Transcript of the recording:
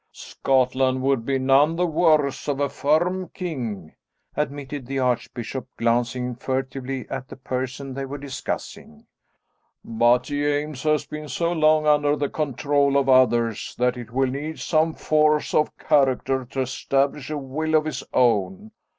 "Scotland would be none the worse of a firm king," admitted the archbishop, glancing furtively at the person they were discussing, "but James has been so long under the control of others that it will need some force of character to establish a will of his own.